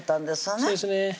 そうですね